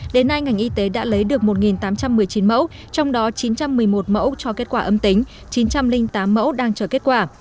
đến nay ngành y tế đã lấy được một tám trăm một mươi chín mẫu trong đó chín trăm một mươi một mẫu cho kết quả âm tính chín trăm linh tám mẫu đang chờ kết quả